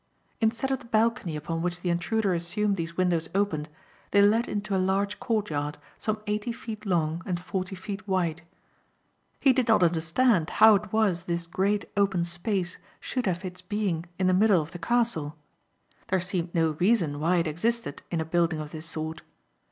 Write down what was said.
Instead of the balcony upon which the intruder assumed these windows opened, they led into a large courtyard some eighty feet long and forty feet wide. He did not understand how it was this great open space should have its being in the middle of the castle. There seemed no reason why it existed in a building of this sort.